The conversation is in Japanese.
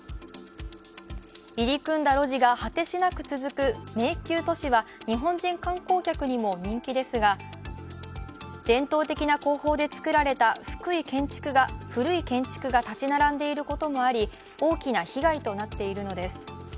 入り組んだ路地が果てしなく続く迷宮都市は日本人観光客にも人気ですが伝統的な工法で造られた古い建築が立ち並んでいることもあり、大きな被害となっているのです。